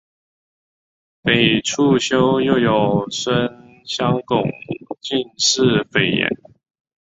裴处休又有孙乡贡进士裴岩。